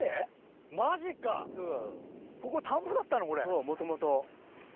そうもともと。